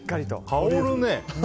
香るね。